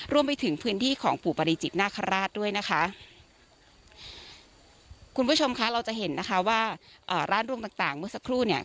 รวมไปถึงพื้นที่ของปู่ปริจิตนาคาราชด้วยนะคะคุณผู้ชมคะเราจะเห็นนะคะว่าอ่าร้านร่วงต่างต่างเมื่อสักครู่เนี่ย